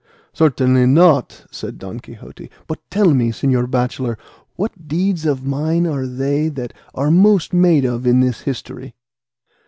"Certainly not," said Don Quixote; "but tell me, señor bachelor, what deeds of mine are they that are made most of in this history?"